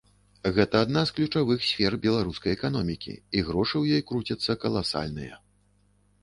Гэта адна з ключавых сфер беларускай эканомікі, і грошы ў ёй круцяцца каласальныя.